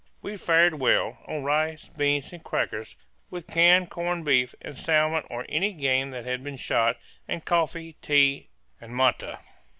We fared well, on rice, beans, and crackers, with canned corned beef, and salmon or any game that had been shot, and coffee, tea, and matte.